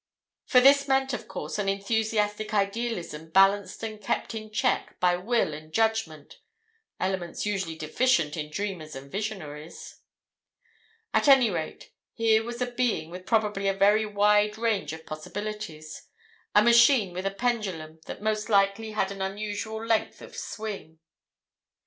For this meant, of course, an enthusiastic idealism balanced and kept in check by will and judgment—elements usually deficient in dreamers and visionaries. "At any rate, here was a being with probably a very wide range of possibilities, a machine with a pendulum that most likely had an unusual length of swing.